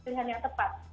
pilihan yang tepat